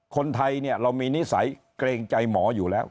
คนไทยเนี่ยเรามีนิสัยเกรงใจหมออยู่แล้ว